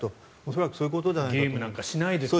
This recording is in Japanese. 恐らくそういうことではないかと思います。